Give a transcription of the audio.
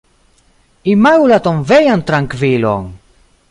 Imagu la tombejan trankvilon!